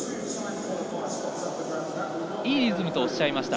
いいリズムとおっしゃいました。